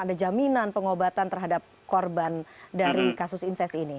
ada jaminan pengobatan terhadap korban dari kasus inses ini